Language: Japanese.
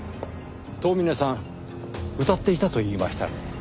遠峰さん歌っていたと言いましたね？